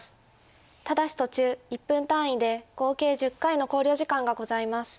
ただし途中１分単位で合計１０回の考慮時間がございます。